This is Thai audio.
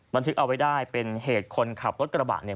บันทึกเอาไว้ได้เป็นเหตุคนขับรถกระบะเนี่ย